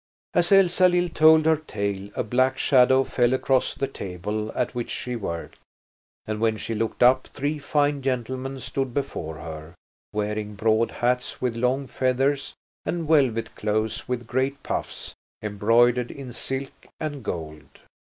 As Elsalill told her tale a black shadow fell across the table at which she worked. And when she looked up three fine gentlemen stood before her, wearing broad hats with long feathers and velvet clothes with great puffs, embroidered in silk and gold.